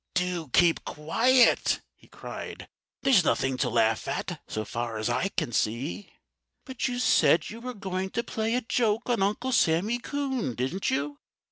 "Do keep quiet!" he cried. "There's nothing to laugh at, so far as I can see." "But you said you were going to play a joke on Uncle Sammy Coon, didn't you?"